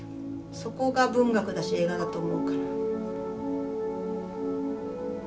そこが文学だし映画だと思うから。